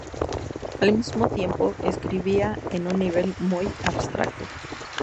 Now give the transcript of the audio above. Al mismo tiempo, escribía en un nivel muy abstracto.